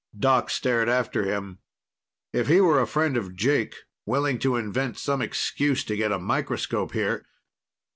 Doc stared after him. If he were a friend of Jake, willing to invent some excuse to get a microscope here